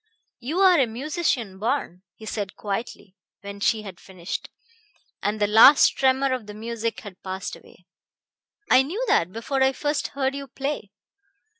"You are a musician born," he said quietly when she had finished, and the last tremor of the music had passed away. "I knew that before I first heard you play."